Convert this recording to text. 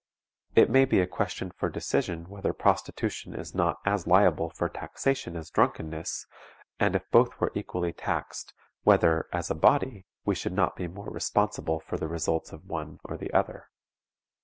It may be a question for decision whether prostitution is not as liable for taxation as drunkenness, and if both were equally taxed whether, as a body, we should be more responsible for the results of one or the other.